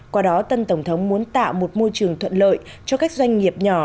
qua đó tân tổng thống muốn tạo một môi trường thuận lợi cho các doanh nghiệp nhỏ